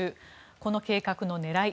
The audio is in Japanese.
この計画の狙い。